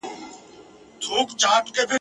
سپی را ولېږه چي دلته ما پیدا کړي !.